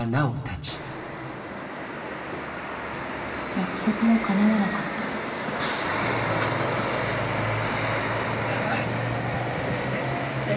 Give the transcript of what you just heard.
約束はかなわなかった大丈夫？